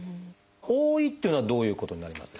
多いっていうのはどういうことになりますでしょうか？